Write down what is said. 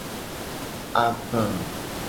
Agba.